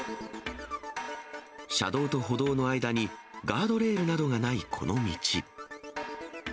車道と歩道の間にガードレールなどがないこの道。